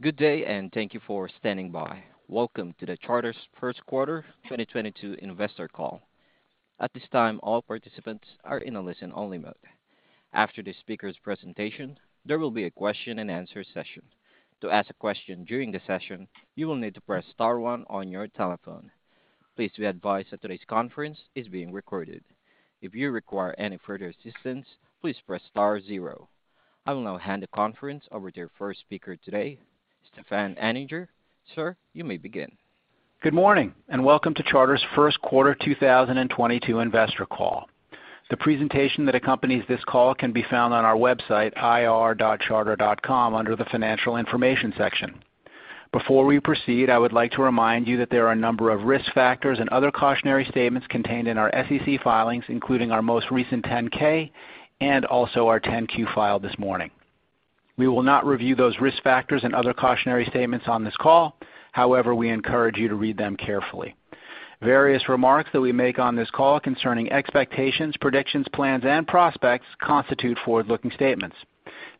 Good day, and thank you for standing by. Welcome to Charter's first quarter 2022 investor call. At this time, all participants are in a listen-only mode. After the speaker's presentation, there will be a question-and-answer session. To ask a question during the session, you will need to press star one on your telephone. Please be advised that today's conference is being recorded. If you require any further assistance, please press star zero. I will now hand the conference over to your first speaker today, Stefan Anninger. Sir, you may begin. Good morning, and welcome to Charter's first quarter 2022 investor call. The presentation that accompanies this call can be found on our website, ir.charter.com, under the Financial Information section. Before we proceed, I would like to remind you that there are a number of risk factors and other cautionary statements contained in our SEC filings, including our most recent 10-K and also our 10-Q filed this morning. We will not review those risk factors and other cautionary statements on this call. However, we encourage you to read them carefully. Various remarks that we make on this call concerning expectations, predictions, plans, and prospects constitute forward-looking statements.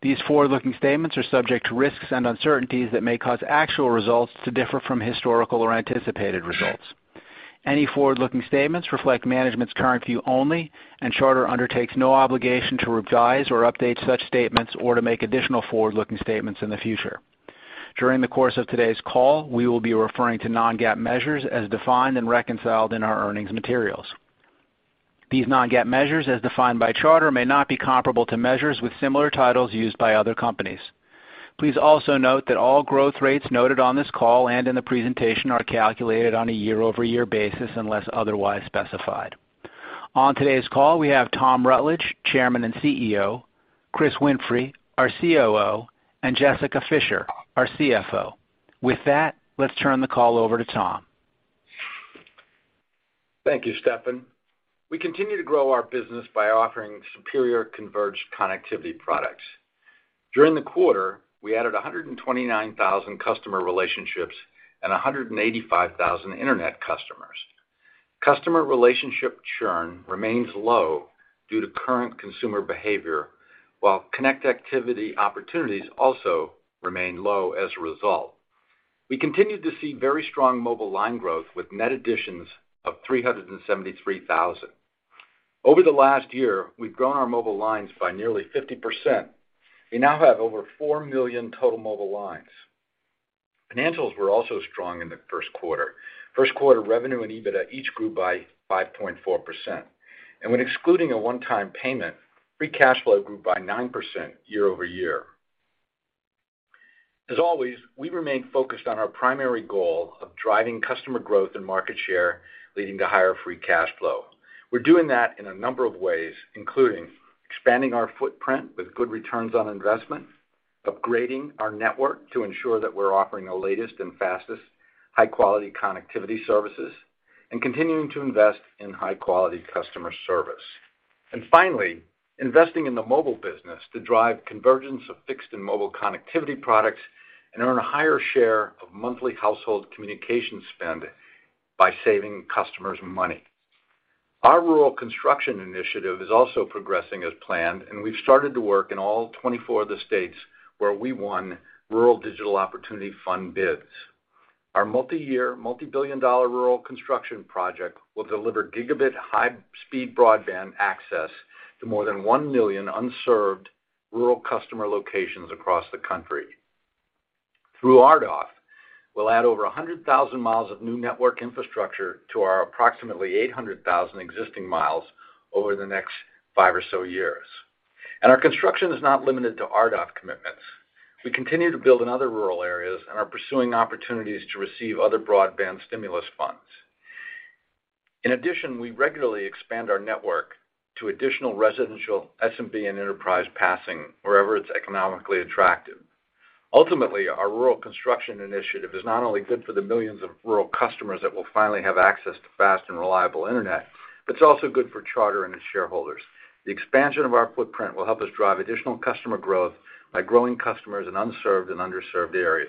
These forward-looking statements are subject to risks and uncertainties that may cause actual results to differ from historical or anticipated results. Any forward-looking statements reflect management's current view only, and Charter undertakes no obligation to revise or update such statements or to make additional forward-looking statements in the future. During the course of today's call, we will be referring to non-GAAP measures as defined and reconciled in our earnings materials. These non-GAAP measures, as defined by Charter, may not be comparable to measures with similar titles used by other companies. Please also note that all growth rates noted on this call and in the presentation are calculated on a year-over-year basis unless otherwise specified. On today's call, we have Tom Rutledge, Chairman and CEO, Chris Winfrey, our COO, and Jessica Fischer, our CFO. With that, let's turn the call over to Tom. Thank you, Stefan. We continue to grow our business by offering superior converged connectivity products. During the quarter, we added 129,000 customer relationships and 185,000 internet customers. Customer relationship churn remains low due to current consumer behavior, while connect activity opportunities also remain low as a result. We continued to see very strong mobile line growth with net additions of 373,000. Over the last year, we've grown our mobile lines by nearly 50%. We now have over 4 million total mobile lines. Financials were also strong in the first quarter. First quarter revenue and EBITDA each grew by 5.4%. When excluding a one-time payment, free cash flow grew by 9% year over year. As always, we remain focused on our primary goal of driving customer growth and market share, leading to higher free cash flow. We're doing that in a number of ways, including expanding our footprint with good returns on investment, upgrading our network to ensure that we're offering the latest and fastest high-quality connectivity services, and continuing to invest in high-quality customer service. Finally, investing in the mobile business to drive convergence of fixed and mobile connectivity products and earn a higher share of monthly household communication spend by saving customers money. Our rural construction initiative is also progressing as planned, and we've started to work in all 24 of the states where we won Rural Digital Opportunity Fund bids. Our multi-year, multi-billion dollar rural construction project will deliver gigabit high-speed broadband access to more than 1 million unserved rural customer locations across the country. Through RDOF, we'll add over 100,000 miles of new network infrastructure to our approximately 800,000 existing miles over the next five or so years. Our construction is not limited to RDOF commitments. We continue to build in other rural areas and are pursuing opportunities to receive other broadband stimulus funds. In addition, we regularly expand our network to additional residential SMB and enterprise passing wherever it's economically attractive. Ultimately, our rural construction initiative is not only good for the millions of rural customers that will finally have access to fast and reliable Internet, but it's also good for Charter and its shareholders. The expansion of our footprint will help us drive additional customer growth by growing customers in unserved and underserved areas.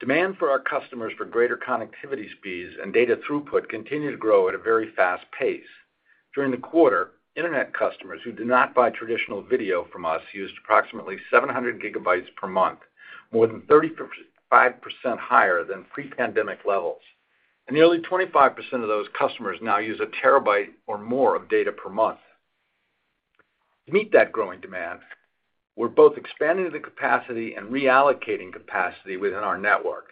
Demand for our customers for greater connectivity speeds and data throughput continue to grow at a very fast pace. During the quarter, Internet customers who do not buy traditional video from us used approximately 700 GB per month, more than 35% higher than pre-pandemic levels. Nearly 25% of those customers now use 1 TB or more of data per month. To meet that growing demand, we're both expanding the capacity and reallocating capacity within our network.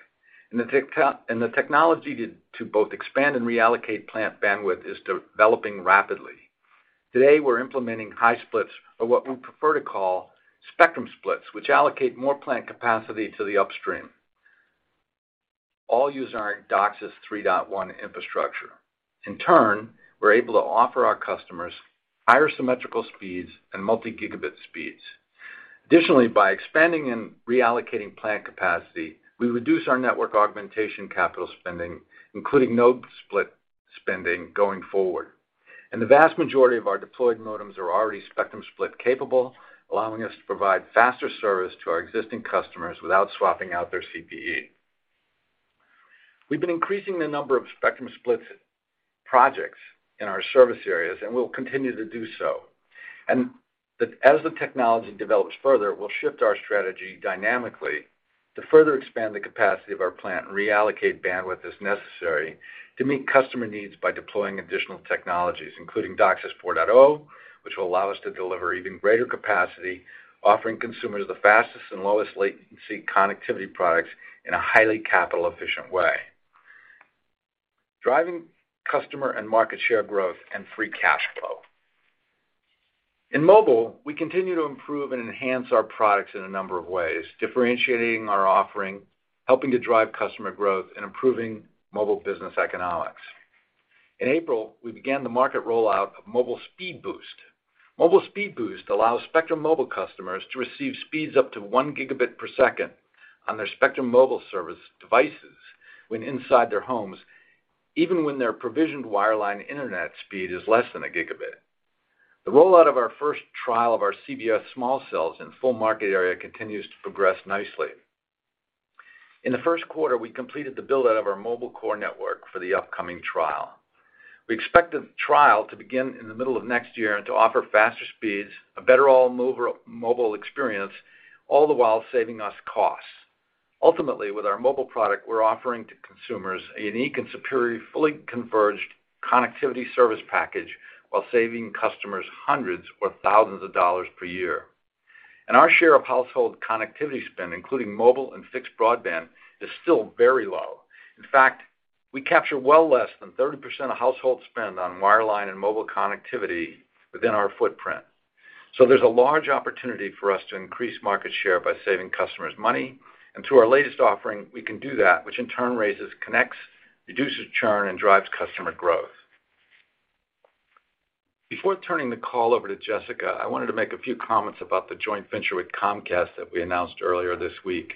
The technology to both expand and reallocate plant bandwidth is developing rapidly. Today, we're implementing high splits, or what we prefer to call spectrum splits, which allocate more plant capacity to the upstream. All use our DOCSIS 3.1 infrastructure. In turn, we're able to offer our customers higher symmetrical speeds and multi-gigabit speeds. Additionally, by expanding and reallocating plant capacity, we reduce our network augmentation capital spending, including node split spending going forward. The vast majority of our deployed modems are already spectrum splits capable, allowing us to provide faster service to our existing customers without swapping out their CPE. We've been increasing the number of spectrum splits projects in our service areas, and we'll continue to do so. As the technology develops further, we'll shift our strategy dynamically to further expand the capacity of our plant and reallocate bandwidth as necessary to meet customer needs by deploying additional technologies, including DOCSIS 4.0, which will allow us to deliver even greater capacity, offering consumers the fastest and lowest latency connectivity products in a highly capital-efficient way. Driving customer and market share growth and free cash flow. In mobile, we continue to improve and enhance our products in a number of ways, differentiating our offering, helping to drive customer growth, and improving mobile business economics. In April, we began the market rollout of Mobile Speed Boost. Mobile Speed Boost allows Spectrum Mobile customers to receive speeds up to 1 Gbps on their Spectrum Mobile service devices when inside their homes, even when their provisioned wireline internet speed is less than 1 Gbps. The rollout of our first trial of our CBRS small cells in full market area continues to progress nicely. In the first quarter, we completed the build-out of our mobile core network for the upcoming trial. We expect the trial to begin in the middle of next year and to offer faster speeds, a better all-mobile experience, all the while saving us costs. Ultimately, with our mobile product, we're offering to consumers a unique and superior fully converged connectivity service package while saving customers hundreds or thousands of dollars per year. Our share of household connectivity spend, including mobile and fixed broadband, is still very low. In fact, we capture well less than 30% of household spend on wireline and mobile connectivity within our footprint. There's a large opportunity for us to increase market share by saving customers money. Through our latest offering, we can do that, which in turn raises connects, reduces churn, and drives customer growth. Before turning the call over to Jessica, I wanted to make a few comments about the joint venture with Comcast that we announced earlier this week.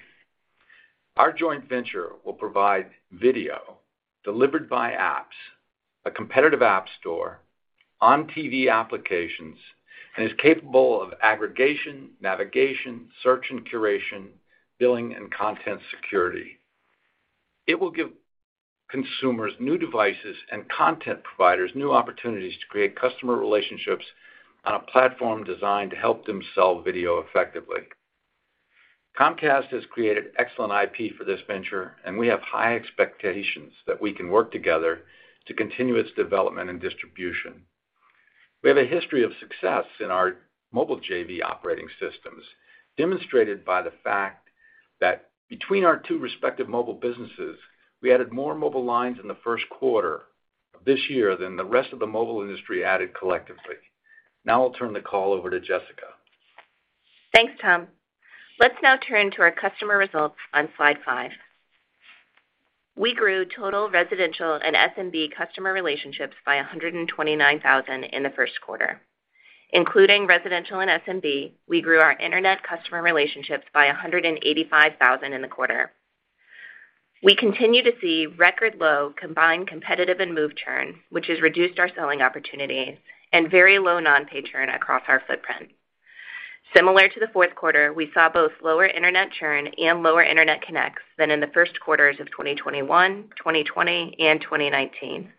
Our joint venture will provide video delivered by apps, a competitive app store, on TV applications, and is capable of aggregation, navigation, search and curation, billing, and content security. It will give consumers new devices and content providers new opportunities to create customer relationships on a platform designed to help them sell video effectively. Comcast has created excellent IP for this venture, and we have high expectations that we can work together to continue its development and distribution. We have a history of success in our mobile JV operating systems, demonstrated by the fact that between our two respective mobile businesses, we added more mobile lines in the first quarter of this year than the rest of the mobile industry added collectively. Now I'll turn the call over to Jessica. Thanks, Tom. Let's now turn to our customer results on slide 5. We grew total residential and SMB customer relationships by 129,000 in the first quarter. Including residential and SMB, we grew our internet customer relationships by 185,000 in the quarter. We continue to see record low combined competitive and move churn, which has reduced our selling opportunities and very low non-pay churn across our footprint. Similar to the fourth quarter, we saw both lower internet churn and lower internet connects than in the first quarters of 2021, 2020, and 2019,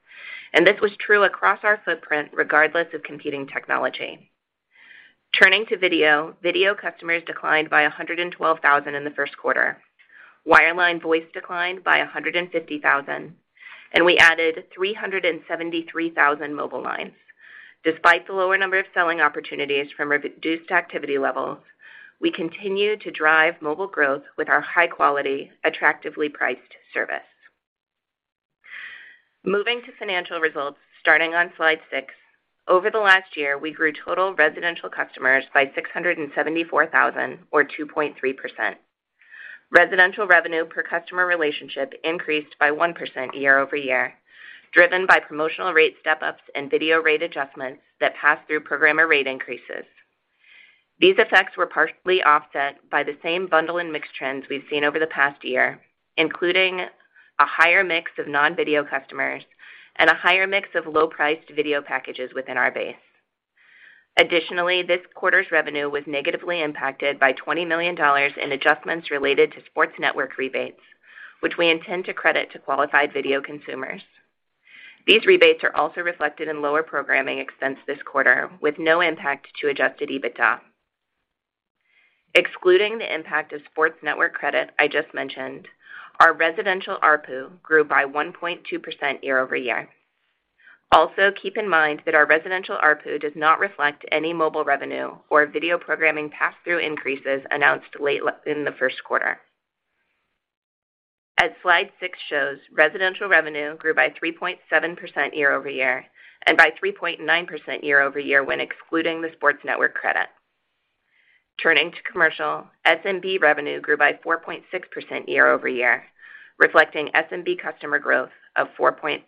and this was true across our footprint regardless of competing technology. Turning to video customers declined by 112,000 in the first quarter. Wireline voice declined by 150,000, and we added 373,000 mobile lines. Despite the lower number of selling opportunities from reduced activity levels, we continue to drive mobile growth with our high quality, attractively priced service. Moving to financial results starting on slide 6. Over the last year, we grew total residential customers by 674,000 or 2.3%. Residential revenue per customer relationship increased by 1% year-over-year, driven by promotional rate step-ups and video rate adjustments that pass through programmer rate increases. These effects were partially offset by the same bundle and mix trends we've seen over the past year, including a higher mix of non-video customers and a higher mix of low-priced video packages within our base. Additionally, this quarter's revenue was negatively impacted by $20 million in adjustments related to sports network rebates, which we intend to credit to qualified video consumers. These rebates are also reflected in lower programming expense this quarter with no impact to adjusted EBITDA. Excluding the impact of sports network credit I just mentioned, our residential ARPU grew by 1.2% year-over-year. Also, keep in mind that our residential ARPU does not reflect any mobile revenue or video programming pass-through increases announced late in the first quarter. As slide 6 shows, residential revenue grew by 3.7% year-over-year and by 3.9% year-over-year when excluding the sports network credit. Turning to commercial, SMB revenue grew by 4.6% year-over-year, reflecting SMB customer growth of 4.4%.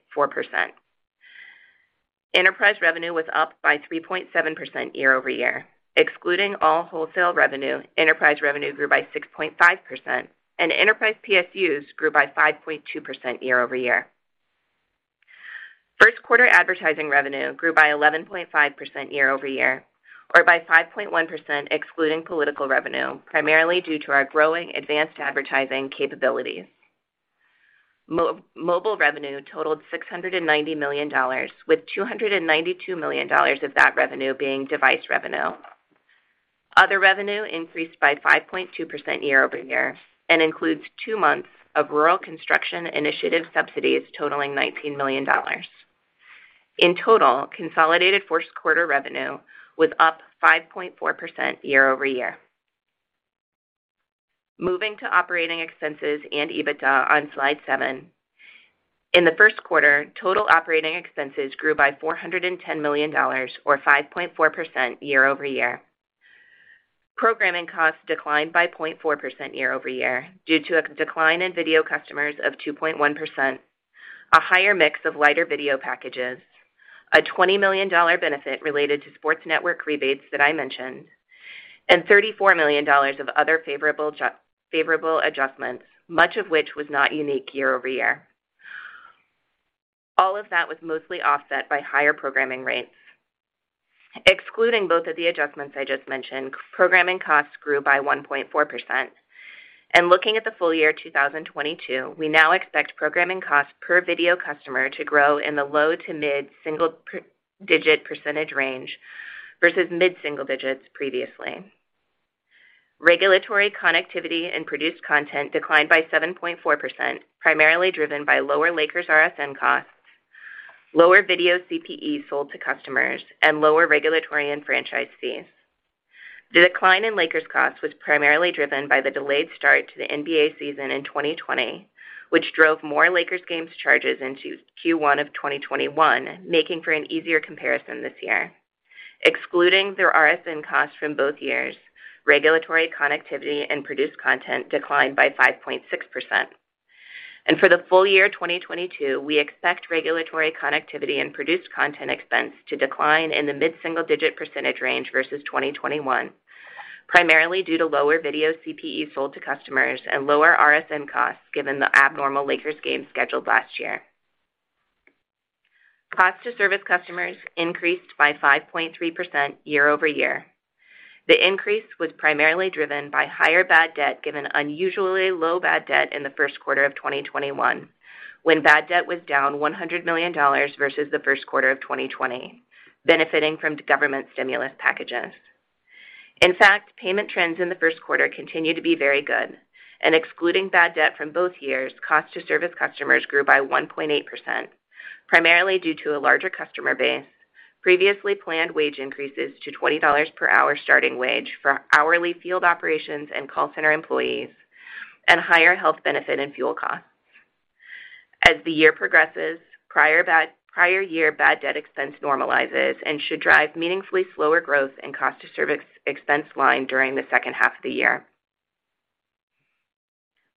Enterprise revenue was up by 3.7% year-over-year. Excluding all wholesale revenue, enterprise revenue grew by 6.5%, and enterprise PSUs grew by 5.2% year-over-year. First quarter advertising revenue grew by 11.5% year-over-year, or by 5.1% excluding political revenue, primarily due to our growing advanced advertising capabilities. Mobile revenue totaled $690 million, with $292 million of that revenue being device revenue. Other revenue increased by 5.2% year-over-year and includes two months of rural construction initiative subsidies totaling $19 million. In total, consolidated first quarter revenue was up 5.4% year-over-year. Moving to operating expenses and EBITDA on slide seven. In the first quarter, total operating expenses grew by $410 million or 5.4% year-over-year. Programming costs declined by 0.4% year-over-year due to a decline in video customers of 2.1%, a higher mix of lighter video packages, a $20 million benefit related to sports network rebates that I mentioned, and $34 million of other favorable adjustments, much of which was not unique year-over-year. All of that was mostly offset by higher programming rates. Excluding both of the adjustments I just mentioned, programming costs grew by 1.4%. Looking at the full year 2022, we now expect programming costs per video customer to grow in the low to mid-single-digit percentage range versus mid-single digits previously. Regulatory connectivity and produced content declined by 7.4%, primarily driven by lower Lakers RSN costs, lower video CPE sold to customers, and lower regulatory and franchise fees. The decline in Lakers costs was primarily driven by the delayed start to the NBA season in 2020, which drove more Lakers games charges into Q1 of 2021, making for an easier comparison this year. Excluding their RSN costs from both years, regulatory connectivity and produced content declined by 5.6%. For the full year 2022, we expect regulatory connectivity and produced content expense to decline in the mid-single digit percentage range versus 2021, primarily due to lower video CPE sold to customers and lower RSN costs given the abnormal Lakers game scheduled last year. Costs to service customers increased by 5.3% year-over-year. The increase was primarily driven by higher bad debt given unusually low bad debt in the first quarter of 2021, when bad debt was down $100 million versus the first quarter of 2020, benefiting from government stimulus packages. In fact, payment trends in the first quarter continue to be very good, and excluding bad debt from both years, cost to service customers grew by 1.8%, primarily due to a larger customer base, previously planned wage increases to $20 per hour starting wage for hourly field operations and call center employees, and higher health benefit and fuel costs. As the year progresses, prior year bad debt expense normalizes and should drive meaningfully slower growth in cost to service expense line during the second half of the year.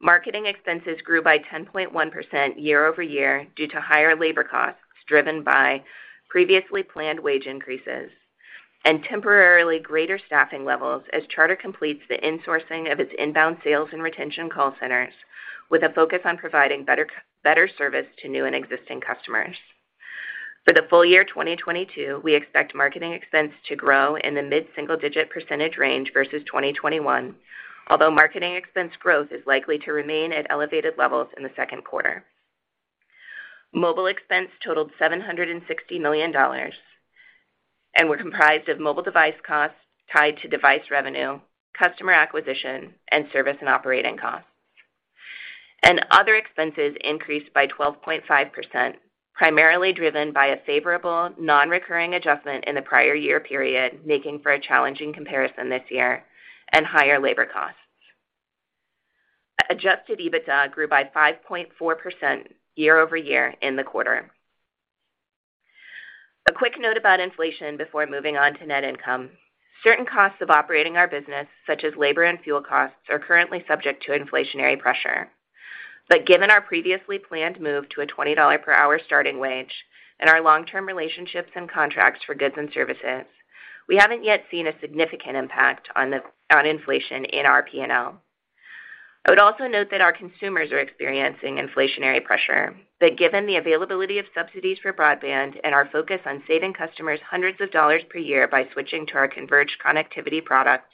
Marketing expenses grew by 10.1% year-over-year due to higher labor costs driven by previously planned wage increases and temporarily greater staffing levels as Charter completes the insourcing of its inbound sales and retention call centers with a focus on providing better service to new and existing customers. For the full year 2022, we expect marketing expense to grow in the mid-single digit percentage range versus 2021, although marketing expense growth is likely to remain at elevated levels in the second quarter. Mobile expense totaled $760 million and were comprised of mobile device costs tied to device revenue, customer acquisition, and service and operating costs. Other expenses increased by 12.5%, primarily driven by a favorable non-recurring adjustment in the prior year period, making for a challenging comparison this year, and higher labor costs. Adjusted EBITDA grew by 5.4% year-over-year in the quarter. A quick note about inflation before moving on to net income. Certain costs of operating our business, such as labor and fuel costs, are currently subject to inflationary pressure. Given our previously planned move to a $20 per hour starting wage and our long-term relationships and contracts for goods and services, we haven't yet seen a significant impact on inflation in our P&L. I would also note that our consumers are experiencing inflationary pressure, but given the availability of subsidies for broadband and our focus on saving customers hundreds of dollars per year by switching to our converged connectivity product,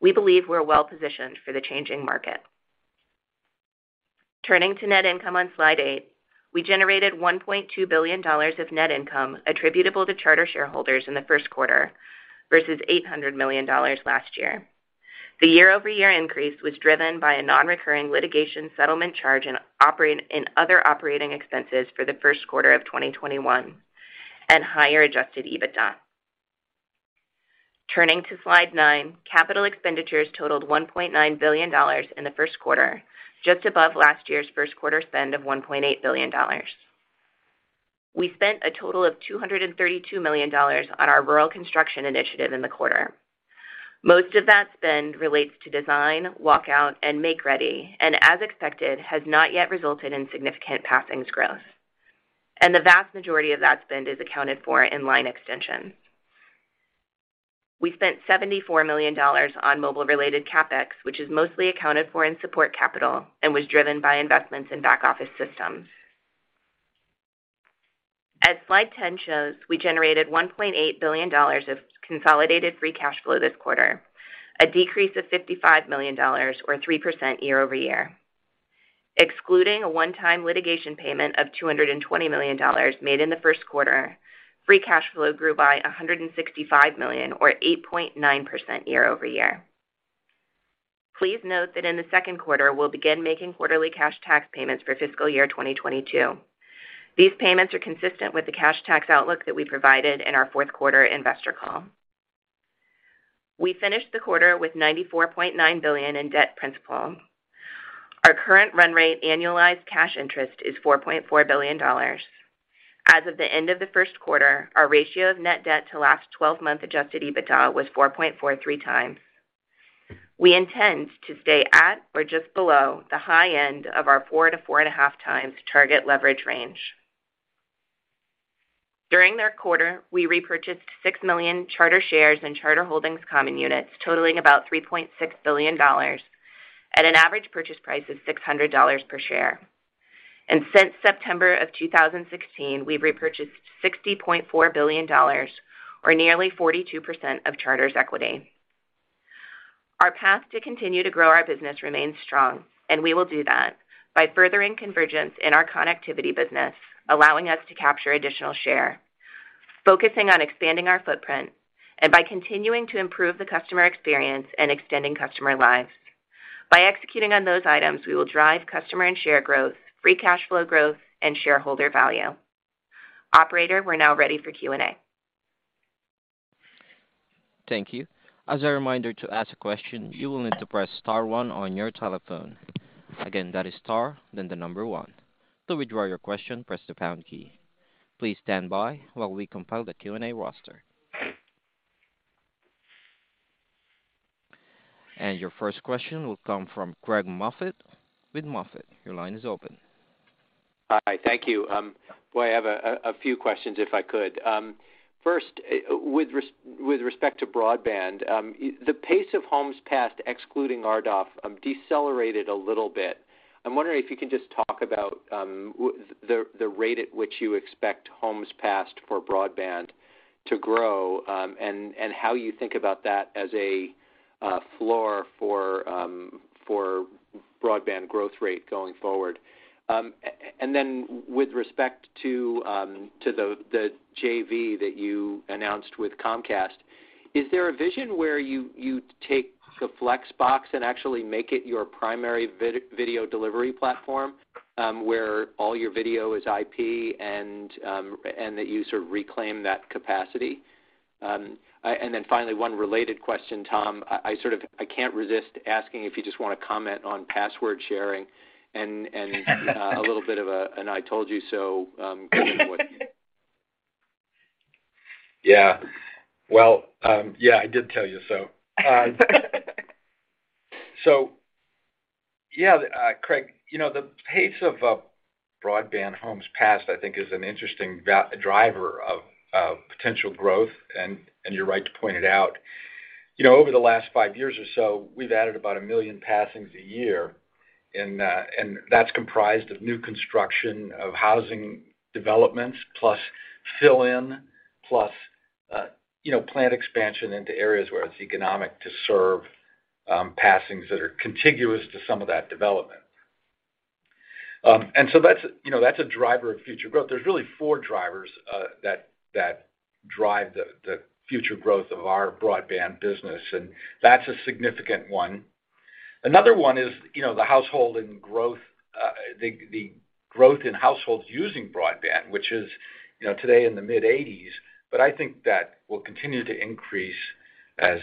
we believe we're well positioned for the changing market. Turning to net income on slide 8, we generated $1.2 billion of net income attributable to Charter shareholders in the first quarter versus $800 million last year. The year-over-year increase was driven by a non-recurring litigation settlement charge in other operating expenses for the first quarter of 2021 and higher adjusted EBITDA. Turning to slide 9, capital expenditures totaled $1.9 billion in the first quarter, just above last year's first quarter spend of $1.8 billion. We spent a total of $232 million on our rural construction initiative in the quarter. Most of that spend relates to design, walkout, and make-ready, and as expected, has not yet resulted in significant passings growth. The vast majority of that spend is accounted for in line extension. We spent $74 million on mobile related CapEx, which is mostly accounted for in support capital and was driven by investments in back-office systems. As slide 10 shows, we generated $1.8 billion of consolidated free cash flow this quarter, a decrease of $55 million or 3% year-over-year. Excluding a one-time litigation payment of $220 million made in the first quarter, free cash flow grew by $165 million or 8.9% year-over-year. Please note that in the second quarter, we'll begin making quarterly cash tax payments for fiscal year 2022. These payments are consistent with the cash tax outlook that we provided in our fourth quarter investor call. We finished the quarter with $94.9 billion in debt principal. Our current run rate annualized cash interest is $4.4 billion. As of the end of the first quarter, our ratio of net debt to last 12-month adjusted EBITDA was 4.43x. We intend to stay at or just below the high end of our 4-4.5x target leverage range. During the quarter, we repurchased $6 million Charter shares and Charter Holdings common units totaling about $3.6 billion at an average purchase price of $600 per share. Since September of 2016, we've repurchased $60.4 billion or nearly 42% of Charter's equity. Our path to continue to grow our business remains strong, and we will do that by furthering convergence in our connectivity business, allowing us to capture additional share, focusing on expanding our footprint, and by continuing to improve the customer experience and extending customer lives. By executing on those items, we will drive customer and share growth, free cash flow growth, and shareholder value. Operator, we're now ready for Q&A. Thank you. As a reminder to ask a question, you will need to press star one on your telephone. Again, that is star, then the number one. To withdraw your question, press the pound key. Please stand by while we compile the Q&A roster. Your first question will come from Craig Moffett with MoffettNathanson. Your line is open. Hi. Thank you. Well, I have a few questions, if I could. First, with respect to broadband, the pace of homes passed excluding RDOF decelerated a little bit. I'm wondering if you can just talk about the rate at which you expect homes passed for broadband to grow, and how you think about that as a floor for broadband growth rate going forward. With respect to the JV that you announced with Comcast, is there a vision where you take the Flex Box and actually make it your primary video delivery platform, where all your video is IP and that you sort of reclaim that capacity? Finally, one related question, Tom. I can't resist asking if you just wanna comment on password sharing and a little bit of an I told you so, given what you- Yeah. Well, yeah, I did tell you so. Craig, you know, the pace of broadband homes passed, I think is an interesting driver of potential growth, and you're right to point it out. You know, over the last five years or so, we've added about one million passings a year, and that's comprised of new construction of housing developments, plus fill-in, plus you know, planned expansion into areas where it's economic to serve passings that are contiguous to some of that development. That's a driver of future growth. You know, that's a driver of future growth. There's really four drivers that drive the future growth of our broadband business, and that's a significant one. Another one is, you know, the household and growth, the growth in households using broadband, which is, you know, today in the mid-80s, but I think that will continue to increase as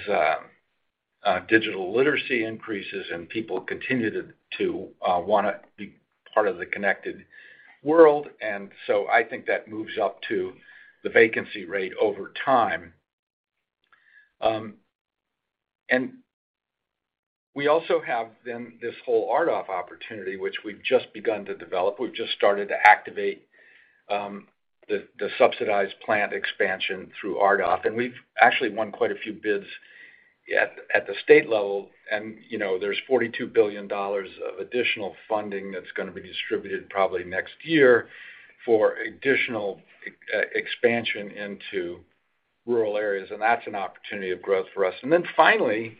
digital literacy increases and people continue to wanna be part of the connected world. I think that moves up to the vacancy rate over time. We also have this whole RDOF opportunity, which we've just begun to develop. We've just started to activate the subsidized plant expansion through RDOF, and we've actually won quite a few bids at the state level. You know, there's $42 billion of additional funding that's gonna be distributed probably next year for additional expansion into rural areas, and that's an opportunity of growth for us. Then finally,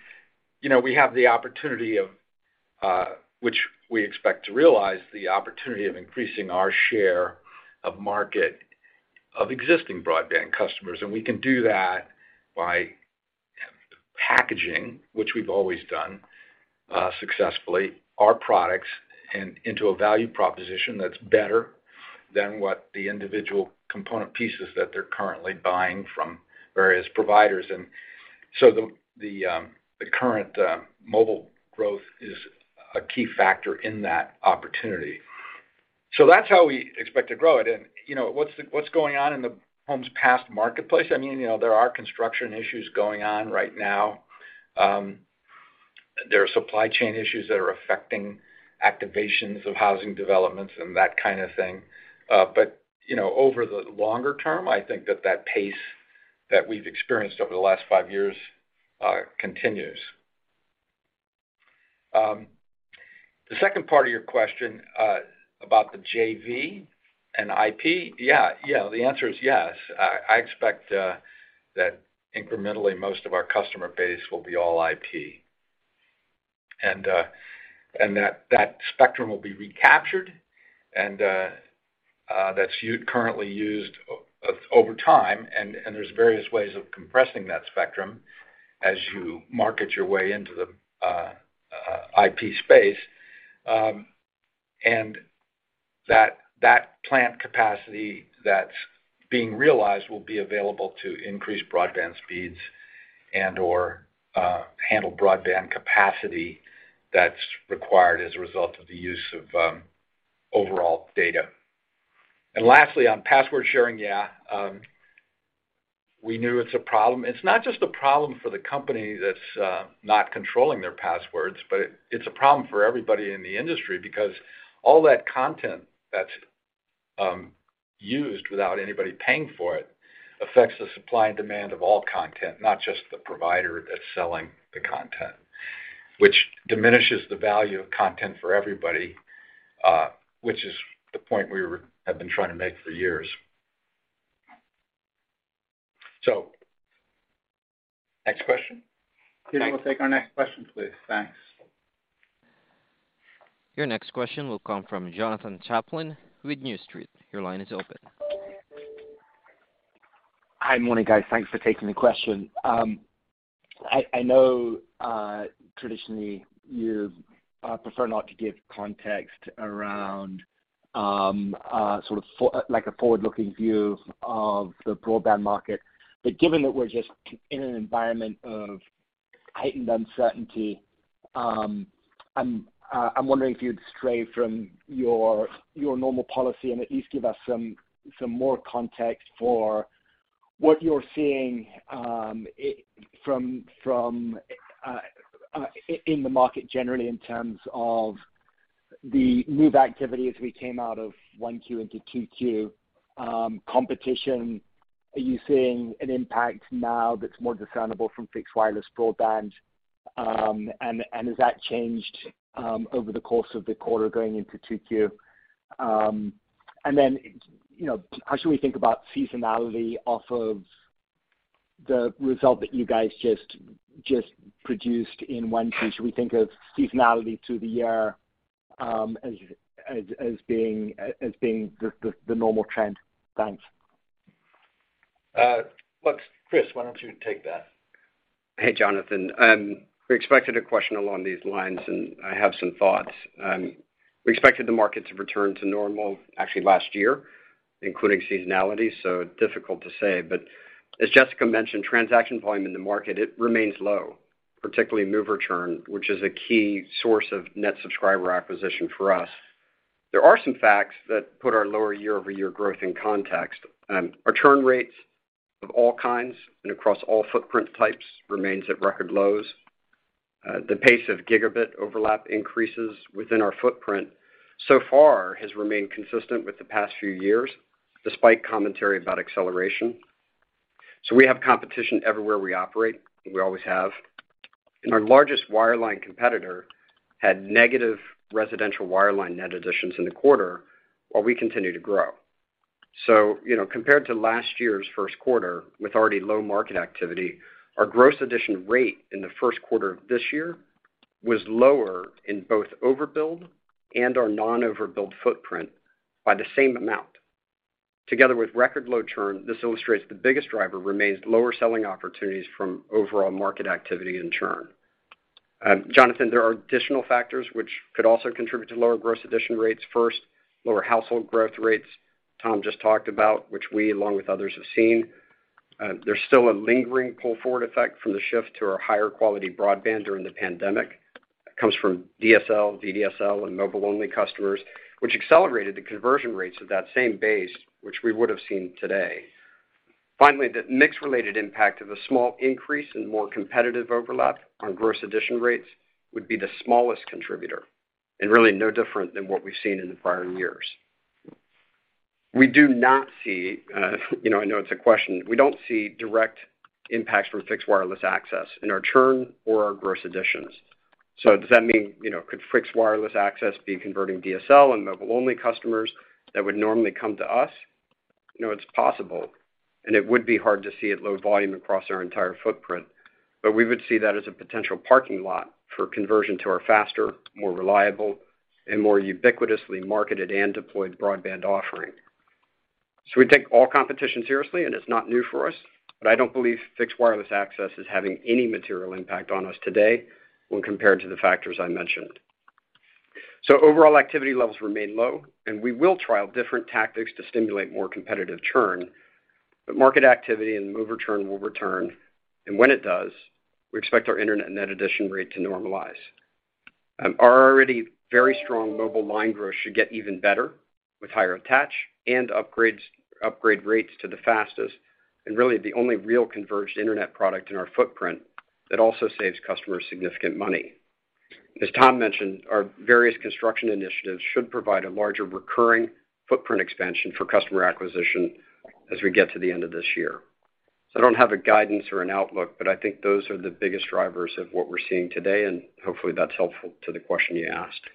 you know, we have the opportunity, which we expect to realize, of increasing our share of market of existing broadband customers. We can do that by packaging, which we've always done, successfully, our products into a value proposition that's better than what the individual component pieces that they're currently buying from various providers. The current mobile growth is a key factor in that opportunity. That's how we expect to grow it. You know, what's going on in the homes passed marketplace? I mean, you know, there are construction issues going on right now. There are supply chain issues that are affecting activations of housing developments and that kind of thing. You know, over the longer term, I think that pace that we've experienced over the last five years continues. The second part of your question about the JV and IP. Yeah, the answer is yes. I expect that incrementally most of our customer base will be all IP. That spectrum will be recaptured, and that's currently used over time, and there's various ways of compressing that spectrum as you market your way into the IP space. That plant capacity that's being realized will be available to increase broadband speeds and/or handle broadband capacity that's required as a result of the use of overall data. Lastly, on password sharing. Yeah, we knew it's a problem. It's not just a problem for the company that's not controlling their passwords, but it's a problem for everybody in the industry because all that content that's used without anybody paying for it affects the supply and demand of all content, not just the provider that's selling the content, which diminishes the value of content for everybody, which is the point we have been trying to make for years. Next question. We'll take our next question, please. Thanks. Your next question will come from Jonathan Chaplin with New Street. Your line is open. Hi. Morning, guys. Thanks for taking the question. I know traditionally you prefer not to give context around sort of like a forward-looking view of the broadband market. Given that we're just in an environment of heightened uncertainty, I'm wondering if you'd stray from your normal policy and at least give us some more context for what you're seeing in the market generally in terms of the move activity as we came out of 1Q into 2Q, competition. Are you seeing an impact now that's more discernible from fixed wireless broadband? And has that changed over the course of the quarter going into 2Q? You know, how should we think about seasonality off of the result that you guys just produced in 1Q? Should we think of seasonality through the year as being the normal trend? Thanks. Look, Chris, why don't you take that? Hey, Jonathan. We expected a question along these lines, and I have some thoughts. We expected the market to return to normal actually last year, including seasonality, difficult to say. As Jessica mentioned, transaction volume in the market, it remains low, particularly mover churn, which is a key source of net subscriber acquisition for us. There are some facts that put our lower year-over-year growth in context. Our churn rates of all kinds and across all footprint types remains at record lows. The pace of gigabit overlap increases within our footprint so far has remained consistent with the past few years, despite commentary about acceleration. We have competition everywhere we operate, and we always have. Our largest wireline competitor had negative residential wireline net additions in the quarter, while we continue to grow. You know, compared to last year's first quarter with already low market activity, our gross addition rate in the first quarter of this year was lower in both overbuild and our non-overbuild footprint by the same amount. Together with record low churn, this illustrates the biggest driver remains lower selling opportunities from overall market activity and churn. Jonathan, there are additional factors which could also contribute to lower gross addition rates. First, lower household growth rates Tom just talked about, which we, along with others, have seen. There's still a lingering pull-forward effect from the shift to our higher quality broadband during the pandemic. That comes from DSL, VDSL and mobile-only customers, which accelerated the conversion rates of that same base, which we would have seen today. Finally, the mix related impact of a small increase in more competitive overlap on gross addition rates would be the smallest contributor and really no different than what we've seen in the prior years. We do not see, you know, I know it's a question. We don't see direct impacts from fixed wireless access in our churn or our gross additions. Does that mean, you know, could fixed wireless access be converting DSL and mobile-only customers that would normally come to us? You know, it's possible, and it would be hard to see at low volume across our entire footprint. We would see that as a potential parking lot for conversion to our faster, more reliable and more ubiquitously marketed and deployed broadband offering. We take all competition seriously, and it's not new for us, but I don't believe fixed wireless access is having any material impact on us today when compared to the factors I mentioned. Overall activity levels remain low, and we will trial different tactics to stimulate more competitive churn, but market activity and mover churn will return. When it does, we expect our internet net addition rate to normalize. Our already very strong mobile line growth should get even better with higher attach and upgrades, upgrade rates to the fastest and really the only real converged internet product in our footprint that also saves customers significant money. As Tom mentioned, our various construction initiatives should provide a larger recurring footprint expansion for customer acquisition as we get to the end of this year. I don't have a guidance or an outlook, but I think those are the biggest drivers of what we're seeing today, and hopefully that's helpful to the question you asked.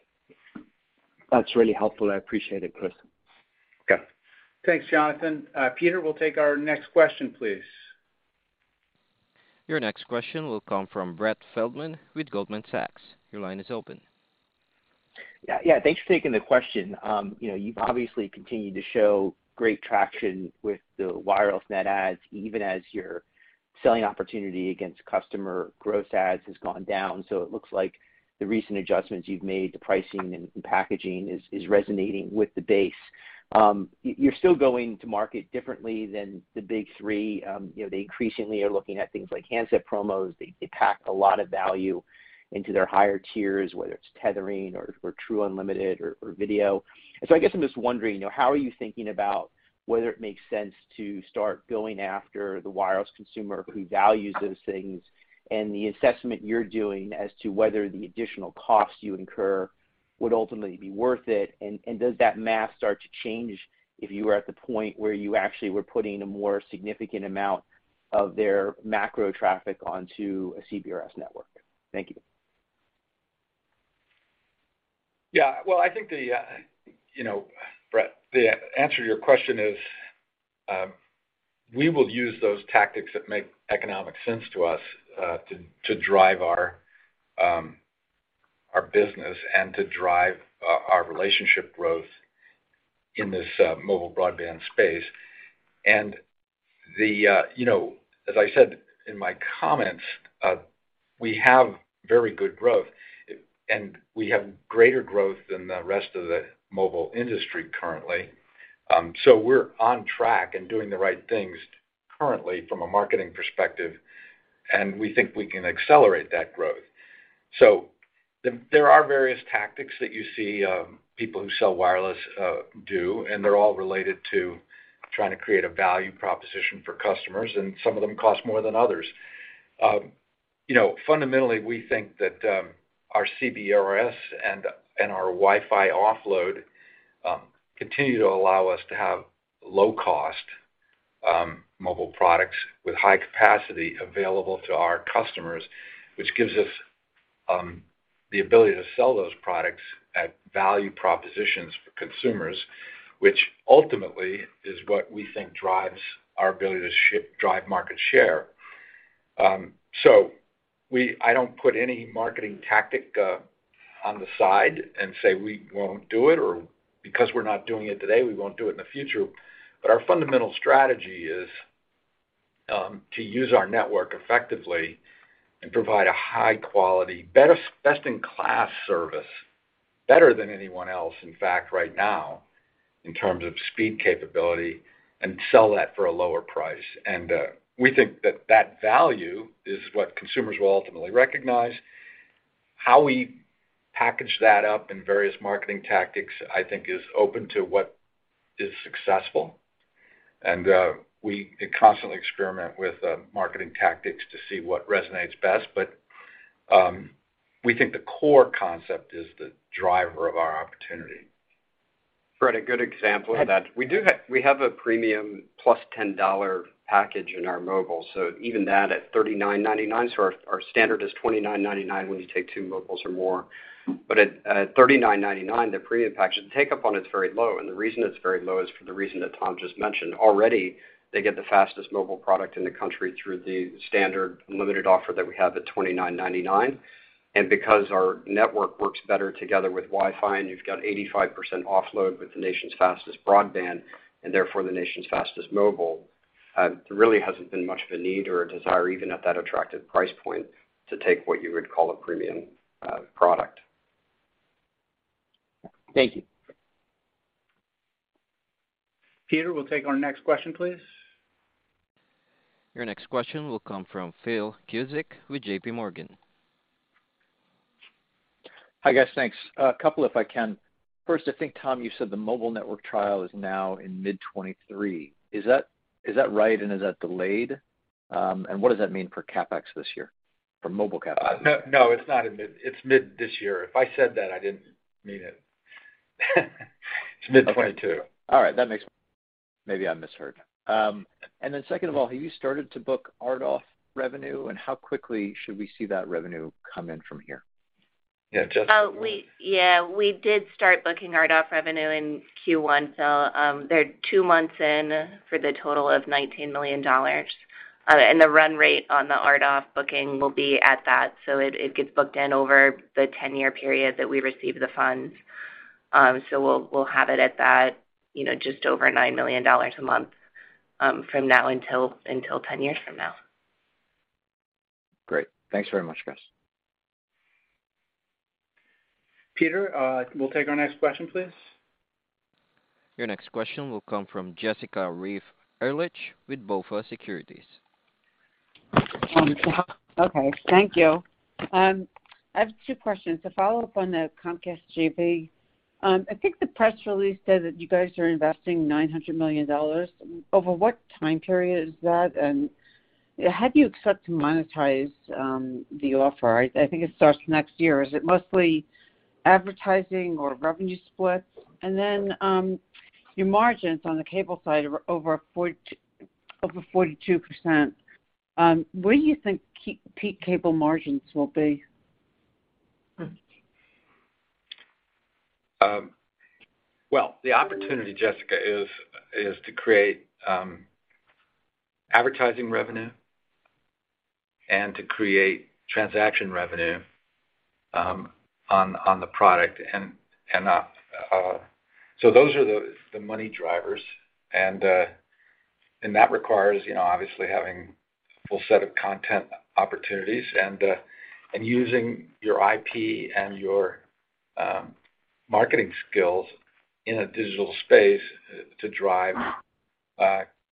That's really helpful. I appreciate it, Chris. Okay. Thanks, Jonathan. Peter, we'll take our next question, please. Your next question will come from Brett Feldman with Goldman Sachs. Your line is open. Yeah. Yeah, thanks for taking the question. You know, you've obviously continued to show great traction with the wireless net adds even as your selling opportunity against customer gross adds has gone down. It looks like the recent adjustments you've made, the pricing and packaging is resonating with the base. You're still going to market differently than the big three. You know, they increasingly are looking at things like handset promos. They pack a lot of value into their higher tiers, whether it's tethering or true unlimited or video. I guess I'm just wondering, you know, how are you thinking about whether it makes sense to start going after the wireless consumer who values those things and the assessment you're doing as to whether the additional costs you incur would ultimately be worth it, and does that math start to change if you were at the point where you actually were putting a more significant amount of their macro traffic onto a CBRS network? Thank you. Yeah. Well, I think, you know, Brett, the answer to your question is, we will use those tactics that make economic sense to us, to drive our business and to drive our relationship growth in this mobile broadband space. You know, as I said in my comments, we have very good growth, and we have greater growth than the rest of the mobile industry currently. We're on track and doing the right things currently from a marketing perspective, and we think we can accelerate that growth. There are various tactics that you see people who sell wireless do, and they're all related to trying to create a value proposition for customers, and some of them cost more than others. You know, fundamentally, we think that our CBRS and our Wi-Fi offload continue to allow us to have low cost mobile products with high capacity available to our customers, which gives us the ability to sell those products at value propositions for consumers, which ultimately is what we think drives our ability to drive market share. I don't put any marketing tactic on the side and say we won't do it or because we're not doing it today, we won't do it in the future. Our fundamental strategy is to use our network effectively and provide a high quality, best in class service, better than anyone else, in fact, right now, in terms of speed capability and sell that for a lower price. We think that that value is what consumers will ultimately recognize. How we package that up in various marketing tactics, I think is open to what is successful. We constantly experiment with marketing tactics to see what resonates best. We think the core concept is the driver of our opportunity. Brett, a good example of that. We have a premium plus $10 package in our mobile. Even that at $39.99, our standard is $29.99 when you take two mobiles or more. At $39.99, the premium package, the take-up on it's very low. The reason it's very low is for the reason that Tom just mentioned. Already, they get the fastest mobile product in the country through the standard limited offer that we have at $29.99. Because our network works better together with Wi-Fi, and you've got 85% offload with the nation's fastest broadband and therefore the nation's fastest mobile, there really hasn't been much of a need or a desire even at that attractive price point to take what you would call a premium product. Thank you. Peter, we'll take our next question, please. Your next question will come from Phil Cusick with JPMorgan. Hi, guys. Thanks. A couple, if I can. First, I think, Tom, you said the mobile network trial is now in mid-2023. Is that right? Is that delayed? What does that mean for CapEx this year, for mobile CapEx? No, no, it's mid this year. If I said that, I didn't mean it. It's mid 2022. Okay. All right. Maybe I misheard. Second of all, have you started to book RDOF revenue, and how quickly should we see that revenue come in from here? Yeah, Jess. Yeah. We did start booking RDOF revenue in Q1, Phil. They're two months in for the total of $19 million. The run rate on the RDOF booking will be at that. It gets booked in over the 10-year period that we receive the funds. We'll have it at that, you know, just over $9 million a month, from now until 10 years from now. Great. Thanks very much, guys. Peter, we'll take our next question, please. Your next question will come from Jessica Reif Ehrlich with BofA Securities. Okay, thank you. I have two questions. To follow up on the Comcast JV, I think the press release said that you guys are investing $900 million. Over what time period is that, and how do you expect to monetize the offer? I think it starts next year. Is it mostly advertising or revenue splits? Your margins on the cable side are over 42%. Where do you think peak cable margins will be? Well, the opportunity, Jessica, is to create advertising revenue and to create transaction revenue on the product and. So those are the money drivers, and that requires, you know, obviously having a full set of content opportunities and using your IP and your marketing skills in a digital space to drive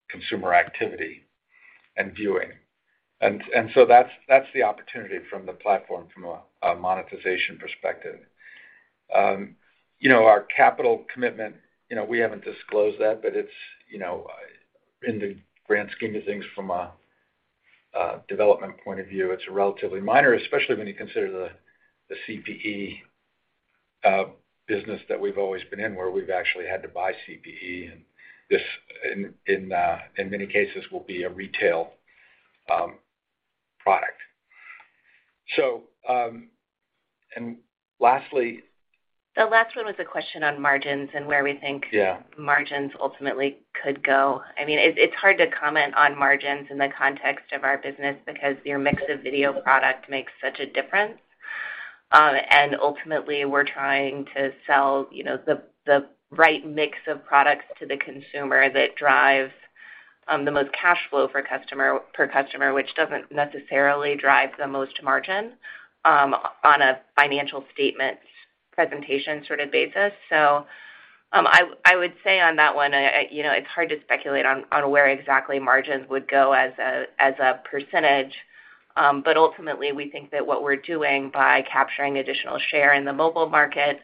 consumer activity and viewing. That's the opportunity from the platform from a monetization perspective. You know, our capital commitment, you know, we haven't disclosed that, but it's, you know, in the grand scheme of things from a development point of view, it's relatively minor, especially when you consider the CPE business that we've always been in, where we've actually had to buy CPE, and this in many cases will be a retail product. Lastly. The last one was a question on margins and where we think. Yeah Margins ultimately could go. I mean, it's hard to comment on margins in the context of our business because our mix of video product makes such a difference. Ultimately, we're trying to sell, you know, the right mix of products to the consumer that drives the most cash flow per customer, which doesn't necessarily drive the most margin on a financial statement presentation sort of basis. I would say on that one, you know, it's hard to speculate on where exactly margins would go as a percentage. Ultimately, we think that what we're doing by capturing additional share in the mobile market,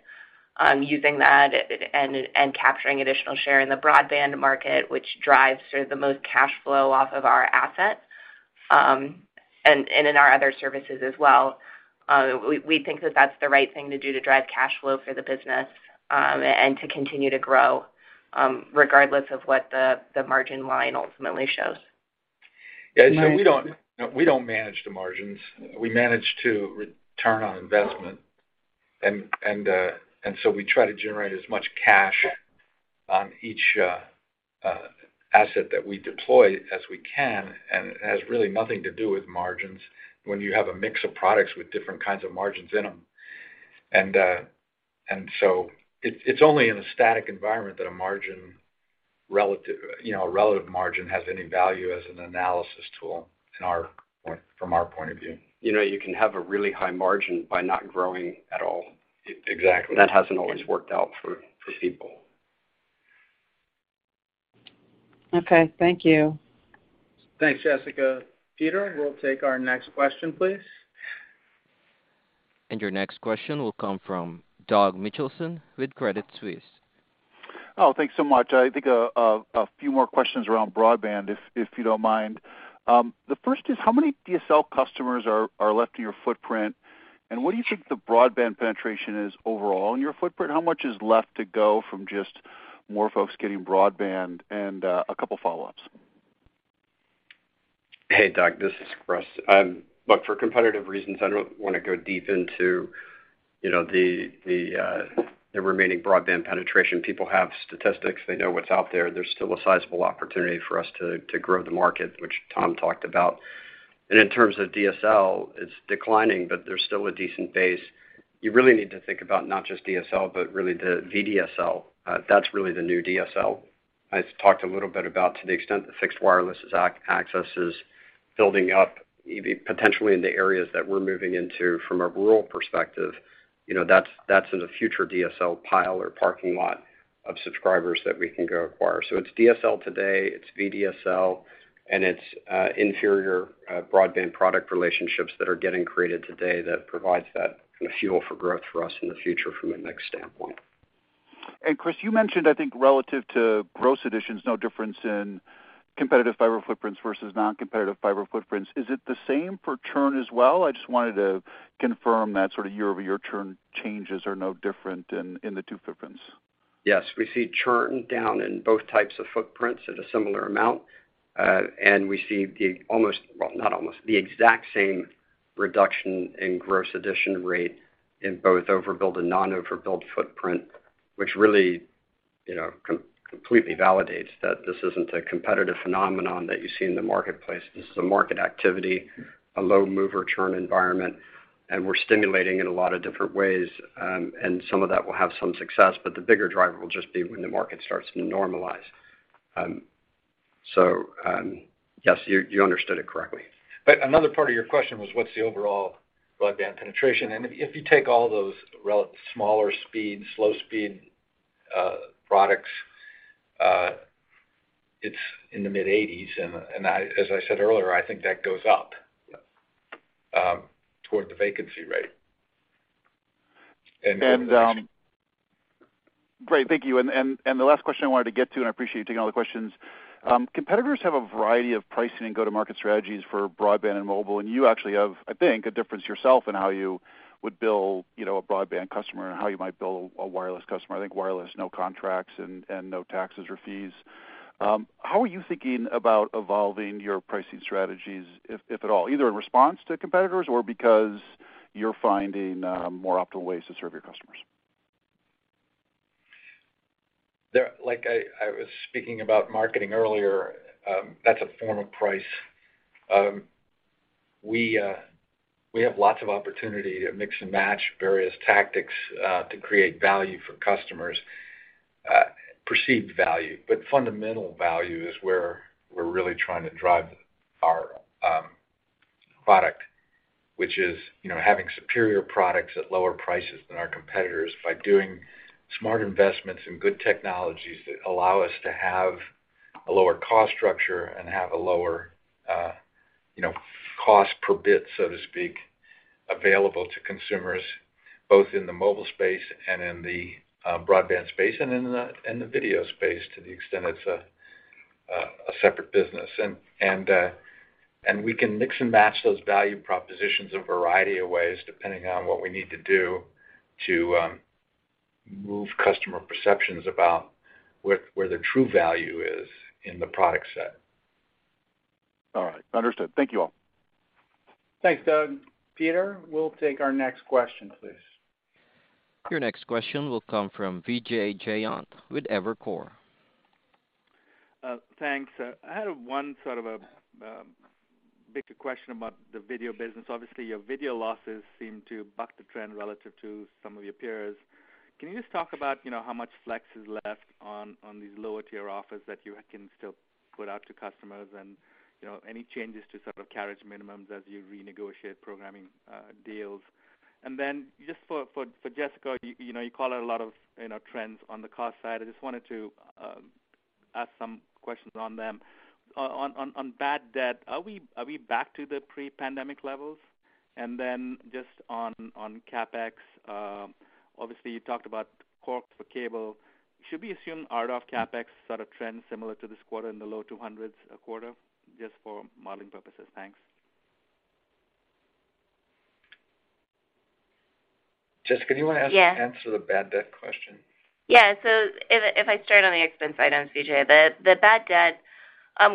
using that and capturing additional share in the broadband market, which drives sort of the most cash flow off of our asset, and in our other services as well, we think that that's the right thing to do to drive cash flow for the business, and to continue to grow, regardless of what the margin line ultimately shows. We don't manage the margins. We manage to return on investment, and we try to generate as much cash on each asset that we deploy as we can, and it has really nothing to do with margins when you have a mix of products with different kinds of margins in them. It's only in a static environment that a relative margin, you know, has any value as an analysis tool from our point of view. You know, you can have a really high margin by not growing at all. Ex-exactly. That hasn't always worked out for people. Okay. Thank you. Thanks, Jessica. Peter, we'll take our next question, please. Your next question will come from Doug Mitchelson with Credit Suisse. Oh, thanks so much. I think a few more questions around broadband, if you don't mind. The first is how many DSL customers are left to your footprint, and what do you think the broadband penetration is overall in your footprint? How much is left to go from just more folks getting broadband and a couple follow-ups. Hey, Doug, this is Chris. Look, for competitive reasons, I don't want to go deep into, you know, the remaining broadband penetration. People have statistics. They know what's out there. There's still a sizable opportunity for us to grow the market, which Tom talked about. In terms of DSL, it's declining, but there's still a decent base. You really need to think about not just DSL, but really the VDSL. That's really the new DSL. I talked a little bit about to the extent the fixed wireless access is building up potentially in the areas that we're moving into from a rural perspective. You know, that's in the future DSL pile or parking lot of subscribers that we can go acquire. It's DSL today, it's VDSL, and it's inferior broadband product relationships that are getting created today that provides that kind of fuel for growth for us in the future from a mix standpoint. Chris, you mentioned, I think, relative to gross additions, no difference in competitive fiber footprints versus non-competitive fiber footprints. Is it the same for churn as well? I just wanted to confirm that sort of year-over-year churn changes are no different in the two footprints. Yes. We see churn down in both types of footprints at a similar amount. We see the exact same reduction in gross addition rate in both overbuild and non-overbuild footprint, which really, you know, completely validates that this isn't a competitive phenomenon that you see in the marketplace. This is a market activity, a low mover churn environment, and we're stimulating in a lot of different ways. Some of that will have some success, but the bigger driver will just be when the market starts to normalize. Yes, you understood it correctly. Another part of your question was what's the overall broadband penetration? If you take all those smaller speed, slow speed products, it's in the mid-80s. As I said earlier, I think that goes up toward the vacancy rate. Great. Thank you. The last question I wanted to get to, and I appreciate you taking all the questions. Competitors have a variety of pricing and go-to-market strategies for broadband and mobile, and you actually have, I think, a difference yourself in how you would bill, you know, a broadband customer and how you might bill a wireless customer. I think wireless, no contracts and no taxes or fees. How are you thinking about evolving your pricing strategies, if at all, either in response to competitors or because you're finding more optimal ways to serve your customers? Like I was speaking about marketing earlier, that's a form of price. We have lots of opportunity to mix and match various tactics to create value for customers, perceived value. Fundamental value is where we're really trying to drive our product, which is, you know, having superior products at lower prices than our competitors by doing smart investments in good technologies that allow us to have a lower cost structure and have a lower, you know, cost per bit, so to speak, available to consumers, both in the mobile space and in the broadband space and in the video space, to the extent it's a separate business. We can mix and match those value propositions a variety of ways, depending on what we need to do to move customer perceptions about where the true value is in the product set. All right. Understood. Thank you all. Thanks, Doug. Peter, we'll take our next question, please. Your next question will come from Vijay Jayant with Evercore. Thanks. I had one sort of bigger question about the video business. Obviously, your video losses seem to buck the trend relative to some of your peers. Can you just talk about, you know, how much flex is left on these lower tier offers that you can still put out to customers? And, you know, any changes to sort of carriage minimums as you renegotiate programming deals. And then just for Jessica, you know, you call out a lot of, you know, trends on the cost side. I just wanted to ask some questions on them. On bad debt, are we back to the pre-pandemic levels? And then just on CapEx, obviously, you talked about costs for cable. Should we assume RDOF CapEx sort of trend similar to this quarter in the low $200s a quarter, just for modeling purposes? Thanks. Jessica, do you wanna Yeah. Answer the bad debt question? If I start on the expense items, Vijay, the bad debt,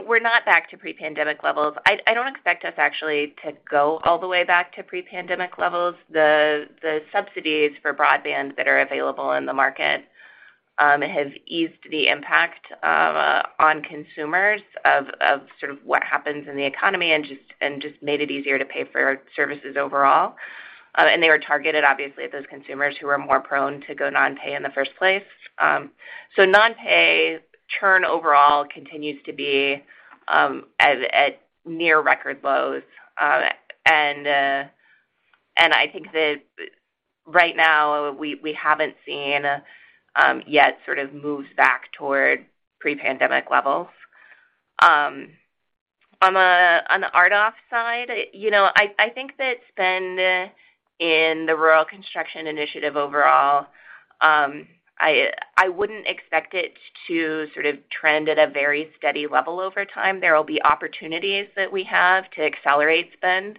we're not back to pre-pandemic levels. I don't expect us actually to go all the way back to pre-pandemic levels. The subsidies for broadband that are available in the market have eased the impact on consumers of sort of what happens in the economy and just made it easier to pay for services overall. They were targeted obviously at those consumers who are more prone to go non-pay in the first place. Non-pay churn overall continues to be at near record lows. I think that right now we haven't seen yet sort of moves back toward pre-pandemic levels. On the RDOF side, you know, I think that spend in the rural construction initiative overall, I wouldn't expect it to sort of trend at a very steady level over time. There will be opportunities that we have to accelerate spend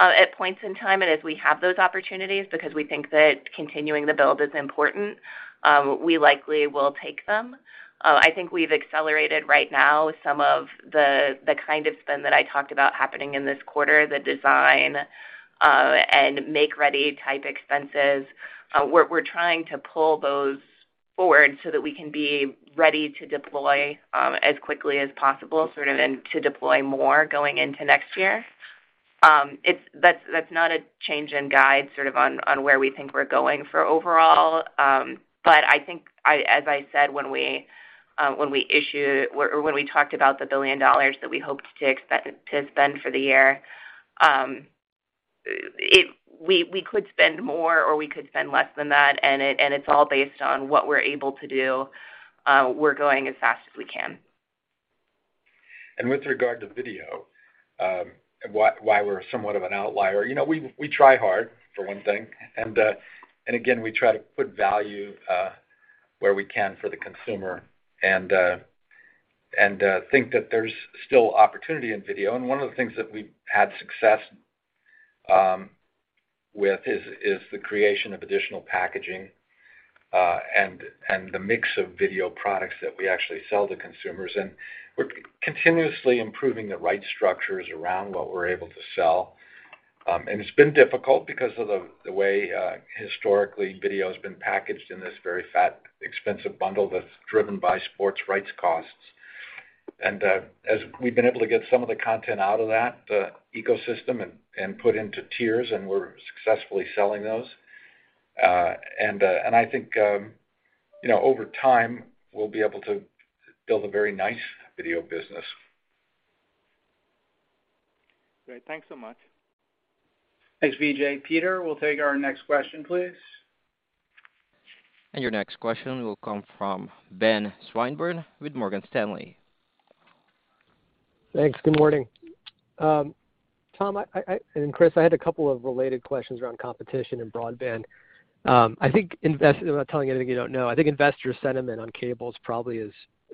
at points in time. As we have those opportunities, because we think that continuing the build is important, we likely will take them. I think we've accelerated right now some of the kind of spend that I talked about happening in this quarter, the design and make-ready type expenses. We're trying to pull those forward so that we can be ready to deploy as quickly as possible, sort of, and to deploy more going into next year. That's not a change in guide sort of on where we think we're going for overall. I think, as I said, when we issue or when we talked about the $1 billion that we hoped to spend for the year, we could spend more or we could spend less than that, and it's all based on what we're able to do. We're going as fast as we can. With regard to video, why we're somewhat of an outlier, you know, we try hard, for one thing, and again, we try to put value where we can for the consumer and think that there's still opportunity in video. One of the things that we've had success with is the creation of additional packaging and the mix of video products that we actually sell to consumers. We're continuously improving the right structures around what we're able to sell. It's been difficult because of the way historically video's been packaged in this very fat, expensive bundle that's driven by sports rights costs. As we've been able to get some of the content out of that, the ecosystem and put into tiers, and we're successfully selling those. I think, you know, over time, we'll be able to build a very nice video business. Great. Thanks so much. Thanks, Vijay. Peter, we'll take our next question, please. Your next question will come from Ben Swinburne with Morgan Stanley. Thanks. Good morning. Tom, and Chris, I had a couple of related questions around competition in broadband. I think investor sentiment on cable is probably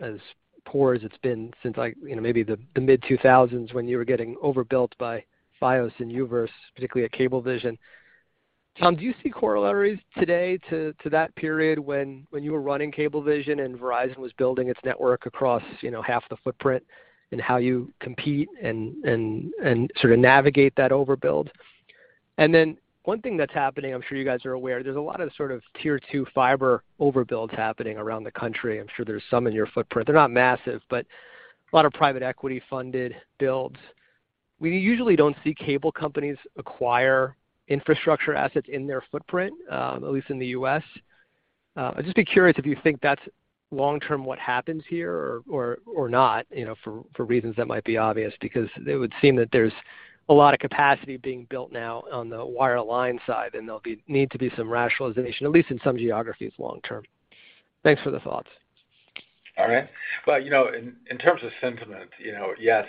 as poor as it's been since, like, you know, maybe the mid-2000s when you were getting overbuilt by Fios and U-verse, particularly at Cablevision. Tom, do you see corollaries today to that period when you were running Cablevision and Verizon was building its network across, you know, half the footprint and how you compete and sort of navigate that overbuild? One thing that's happening, I'm sure you guys are aware, there's a lot of sort of tier two fiber overbuilds happening around the country. I'm sure there's some in your footprint. They're not massive, but a lot of private equity funded builds. We usually don't see cable companies acquire infrastructure assets in their footprint, at least in the U.S. I'd just be curious if you think that's long-term what happens here or not, you know, for reasons that might be obvious, because it would seem that there's a lot of capacity being built now on the wireline side, and there'll need to be some rationalization, at least in some geographies long term. Thanks for the thoughts. All right. Well, you know, in terms of sentiment, you know, yes,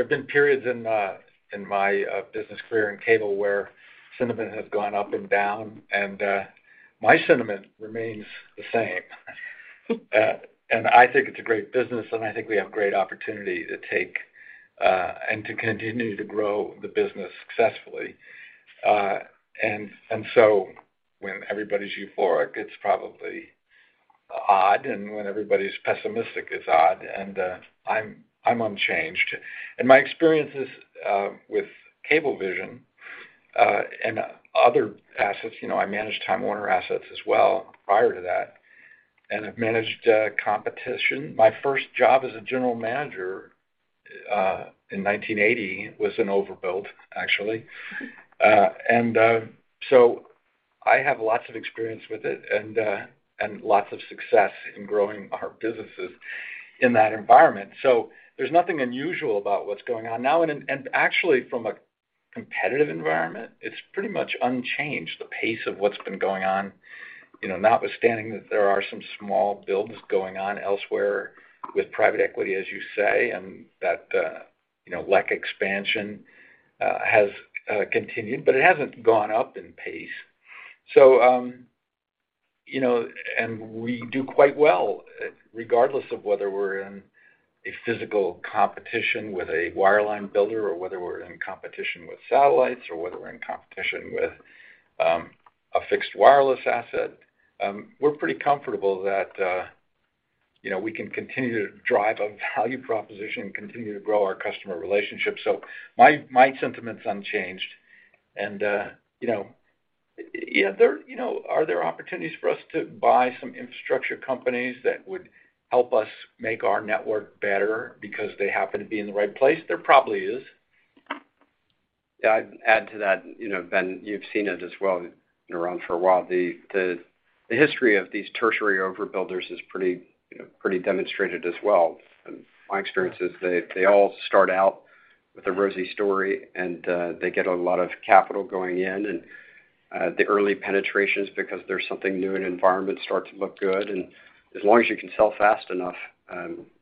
there have been periods in my business career in cable where sentiment has gone up and down, and my sentiment remains the same. I think it's a great business, and I think we have great opportunity to take and to continue to grow the business successfully. When everybody's euphoric, it's probably odd, and when everybody's pessimistic, it's odd. I'm unchanged. My experiences with Cablevision and other assets, you know, I managed Time Warner assets as well prior to that, and I've managed competition. My first job as a general manager in 1980 was an overbuild, actually. I have lots of experience with it and lots of success in growing our businesses in that environment. There's nothing unusual about what's going on now. Actually from a competitive environment, it's pretty much unchanged, the pace of what's been going on, you know, notwithstanding that there are some small builds going on elsewhere with private equity, as you say, and that, you know, LEC expansion has continued, but it hasn't gone up in pace. You know, and we do quite well regardless of whether we're in a physical competition with a wireline builder or whether we're in competition with satellites or whether we're in competition with a fixed wireless asset. We're pretty comfortable that, you know, we can continue to drive a value proposition and continue to grow our customer relationships. My sentiment's unchanged. You know, are there opportunities for us to buy some infrastructure companies that would help us make our network better because they happen to be in the right place? There probably is. I'd add to that. You know, Ben, you've seen it as well. You've been around for a while. The history of these tertiary overbuilders is pretty, you know, pretty demonstrated as well. My experience is they all start out with a rosy story, and they get a lot of capital going in. The early penetrations because there's something new in environment start to look good. As long as you can sell fast enough,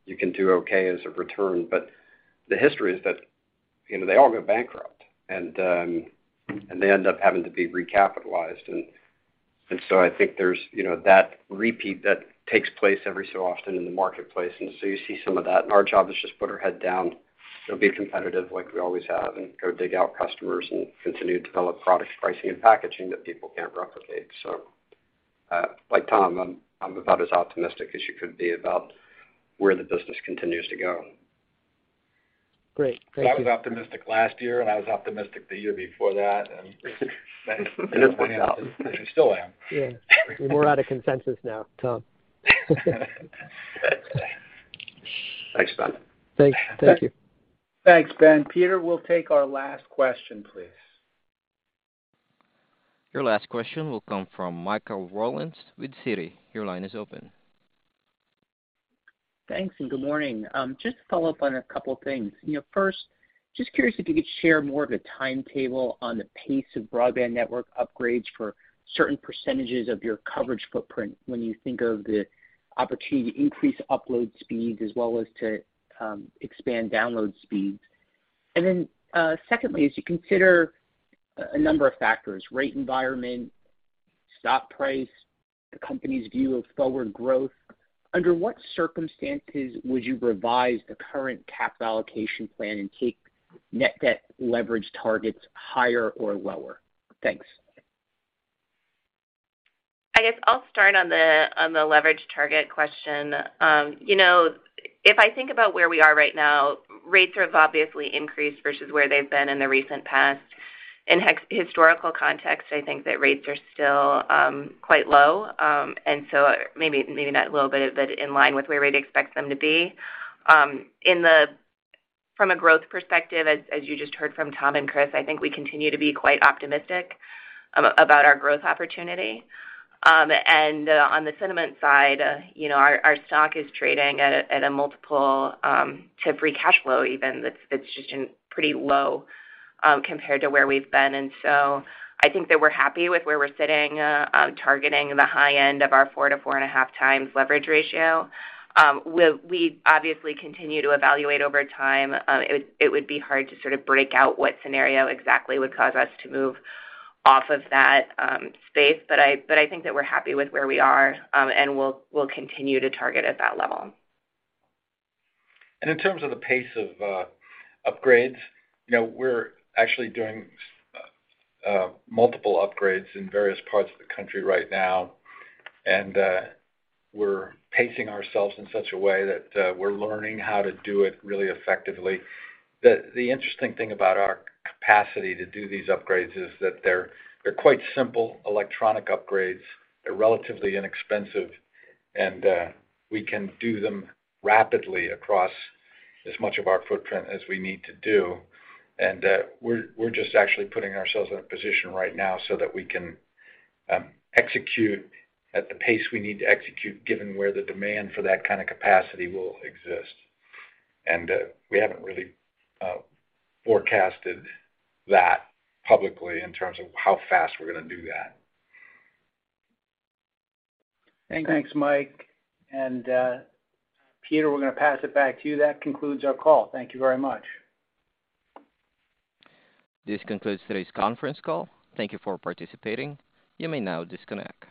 you can do okay as a return. The history is that, you know, they all go bankrupt, and they end up having to be recapitalized. I think there's, you know, that repeat that takes place every so often in the marketplace. You see some of that. Our job is just put our head down and be competitive like we always have and go dig out customers and continue to develop products, pricing, and packaging that people can't replicate. Like Tom, I'm about as optimistic as you could be about where the business continues to go. Great. Thank you. Well, I was optimistic last year, and I was optimistic the year before that. As it happens, I still am. Yeah. We're more out of consensus now, Tom. Thanks, Ben. Thank you. Thanks, Ben. Peter, we'll take our last question, please. Your last question will come from Michael Rollins with Citi. Your line is open. Thanks, good morning. Just to follow up on a couple things. You know, first, just curious if you could share more of a timetable on the pace of broadband network upgrades for certain percentages of your coverage footprint when you think of the opportunity to increase upload speeds as well as to expand download speeds. Secondly, as you consider a number of factors, rate environment, stock price, the company's view of forward growth, under what circumstances would you revise the current capital allocation plan and take net debt leverage targets higher or lower? Thanks. I guess I'll start on the leverage target question. You know, if I think about where we are right now, rates have obviously increased versus where they've been in the recent past. In historical context, I think that rates are still quite low, and so maybe not a little bit, but in line with where we'd expect them to be. In the From a growth perspective, as you just heard from Tom and Chris, I think we continue to be quite optimistic about our growth opportunity. On the sentiment side, you know, our stock is trading at a multiple to free cash flow even that's just pretty low, compared to where we've been. I think that we're happy with where we're sitting on targeting the high end of our 4-4.5x leverage ratio. We obviously continue to evaluate over time. It would be hard to sort of break out what scenario exactly would cause us to move off of that space. I think that we're happy with where we are, and we'll continue to target at that level. In terms of the pace of upgrades, you know, we're actually doing multiple upgrades in various parts of the country right now. We're pacing ourselves in such a way that we're learning how to do it really effectively. The interesting thing about our capacity to do these upgrades is that they're quite simple electronic upgrades. They're relatively inexpensive, and we can do them rapidly across as much of our footprint as we need to do. We're just actually putting ourselves in a position right now so that we can execute at the pace we need to execute, given where the demand for that kind of capacity will exist. We haven't really forecasted that publicly in terms of how fast we're gonna do that. Thanks, Mike. Peter, we're gonna pass it back to you. That concludes our call. Thank you very much. This concludes today's conference call. Thank you for participating. You may now disconnect.